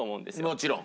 もちろん。